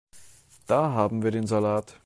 Da haben wir den Salat.